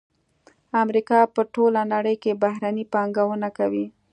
امریکا په ټوله نړۍ کې بهرنۍ پانګونه کوي